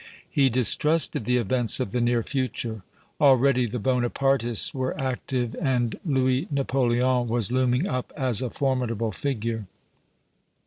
He distrusted the events of the near future. Already the Bonapartists were active and Louis Napoleon was looming up as a formidable figure.